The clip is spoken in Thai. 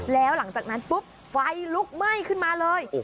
แล้วหลังจากนั้นปุ๊บไฟลุกไหม้ขึ้นมาเลย